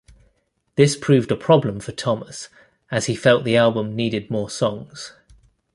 This proved a problem for Thomas as he felt the album needed more songs.